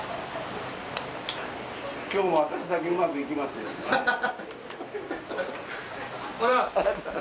きょうも私だけうまくいきまおはようございます。